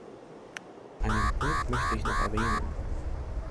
Einen Punkt möchte ich noch erwähnen.